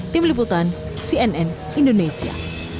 tim liputan cnn indonesia